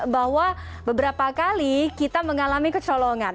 bahwa beberapa kali kita mengalami kecolongan